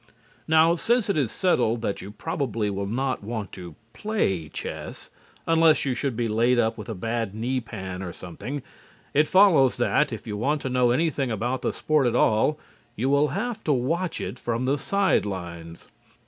Now, since it is settled that you probably will not want to play chess, unless you should be laid up with a bad knee pan or something, it follows that, if you want to know anything about the sport at all, you will have to watch it from the side lines.